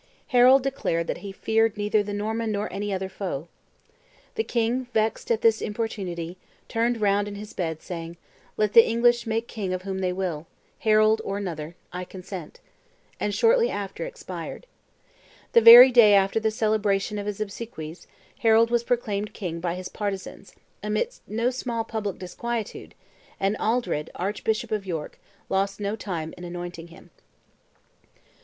Harold declared that he feared neither the Norman nor any other foe. The king, vexed at this importunity, turned round in his bed, saying, "Let the English make king of whom they will, Harold or another; I consent;" and shortly after expired. The very day after the celebration of his obsequies, Harold was proclaimed king by his partisans, amidst no small public disquietude, and Aldred, archbishop of York, lost no time in anointing him.